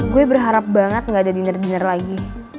gue berharap banget gak ada diner diner lagi